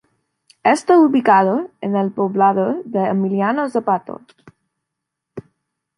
Está ubicado en el poblado de Emiliano Zapata.